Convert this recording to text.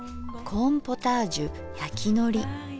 コーンポタージュやきのり。